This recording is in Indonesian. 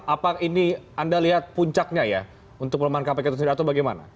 apa ini anda lihat puncaknya ya untuk pelemahan kpk atau tidak atau bagaimana